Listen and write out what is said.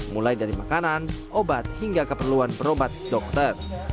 mulai dari makanan obat hingga keperluan berobat dokter